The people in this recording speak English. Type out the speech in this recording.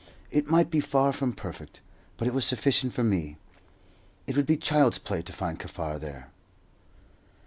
It might be far from perfect, but it was sufficient for me. It would be child's play to find Kaffar there.